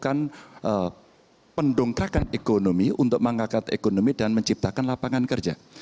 melakukan pendongkrakan ekonomi untuk mengangkat ekonomi dan menciptakan lapangan kerja